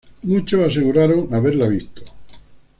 Muchos aseguraron haberla visto.